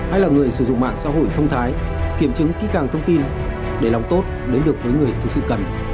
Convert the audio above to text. hay là người sử dụng mạng xã hội thông thái kiểm chứng kỹ càng thông tin để lòng tốt đến được với người thực sự cần